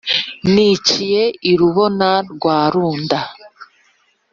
Niciye i Rubona rwa Tunda,